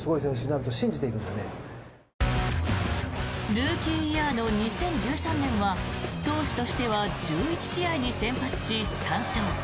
ルーキーイヤーの２０１３年は投手としては１１試合に先発し３勝。